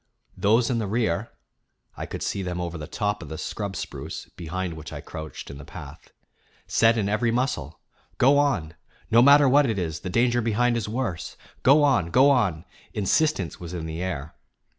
Those in the rear (I could see them over the top of the scrub spruce, behind which I crouched in the path) said in every muscle: "Go on! No matter what it is, the danger behind is worse. Go on, go on!" Insistence was in the air.